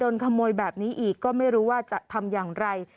ขโมยแบบนี้อีกก็ไม่รู้ว่าจะทำอย่างไร